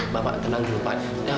bapak tenang dulu pak